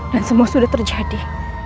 dan semua sudah terjadi